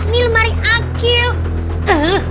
ini lemari aku